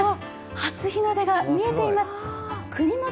初日の出が見えています。